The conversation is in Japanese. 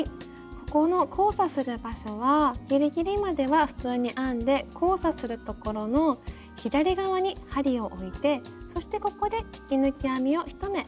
ここの交差する場所はギリギリまでは普通に編んで交差するところの左側に針を置いてそしてここで引き抜き編みを１目。